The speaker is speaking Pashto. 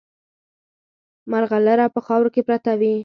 مرغلره په خاورو کې پرته وي.